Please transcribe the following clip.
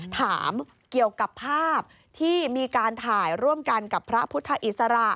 ถามเกี่ยวกับภาพที่มีการถ่ายร่วมกันกับพระพุทธอิสระ